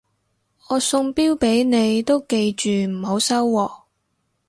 我送錶俾你都記住唔好收喎